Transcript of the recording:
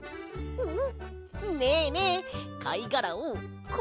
うん！